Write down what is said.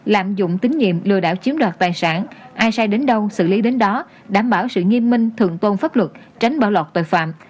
lạm dụng tín nhiệm lừa đảo chiếm đoạt tài sản ai sai đến đâu xử lý đến đó đảm bảo sự nghiêm minh thượng tôn pháp luật tránh bỏ lọt tội phạm